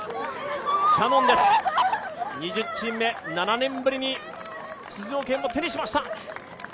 キヤノンです、２０チーム目、７年ぶりに出場権を手にしました。